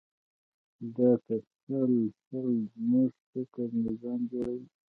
دا تسلسل زموږ فکري نظام جوړوي.